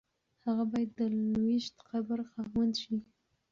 هغه باید د لویشت قبر خاوند شي.